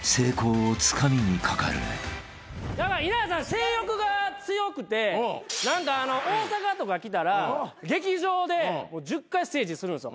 性欲が強くて大阪とか来たら劇場で１０回ステージするんですよ。